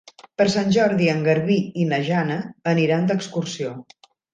Per Sant Jordi en Garbí i na Jana aniran d'excursió.